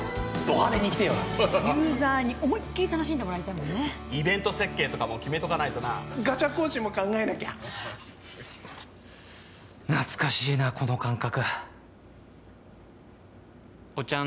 派手にいきてえよなユーザーに思いっきり楽しんでもらいたいもんねイベント設計とかも決めとかないとなガチャ更新も考えなきゃ懐かしいなこの感覚おっちゃん